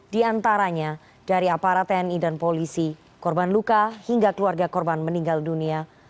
di antaranya dari aparat tni dan polisi korban luka hingga keluarga korban meninggal dunia